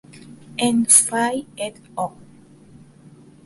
En Fay "et al.